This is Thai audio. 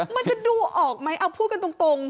มันจะดูออกไหมเอาพูดกันตรง